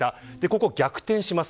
ここで逆転します。